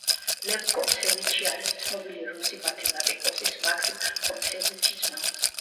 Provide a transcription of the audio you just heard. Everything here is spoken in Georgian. ლევ კონცევიჩი არის ცნობილი რუსი მათემატიკოსის მაქსიმ კონცევიჩის მამა.